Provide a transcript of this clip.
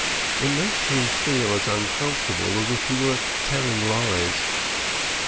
It makes him feel as uncomfortable as if he were telling lies.